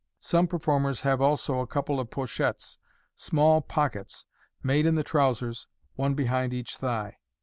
Some performers have also a couple of pochettes (small pockets) made in the trousers, one behind each thigh.